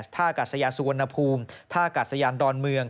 ท่ากาศยานสุวรรณภูมิท่ากาศยานดอนเมือง